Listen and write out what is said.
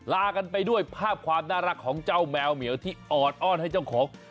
ลากันไปด้วยภาพความน่ารักของเจ้าแมวเหมียวที่ออดอ้อนให้เจ้าของ